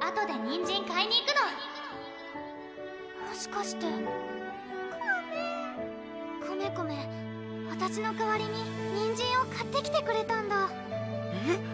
あとでにんじん買いに行くのもしかしてコメコメコメあたしの代わりににんじんを買ってきてくれたんだえっ？